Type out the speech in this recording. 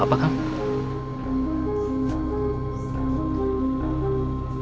kalau kau mengangkat catanya itu